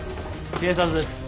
警察です。